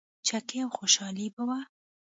چکې او خوشحالي به وه.